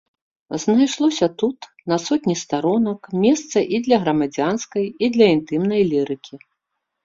Знайшлося тут, на сотні старонак, месца і для грамадзянскай і для інтымнай лірыкі.